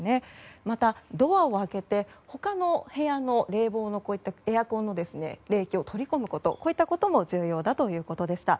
また、ドアを開けて他の部屋のエアコンの冷気を取り込むこと、こういったことも重要だということでした。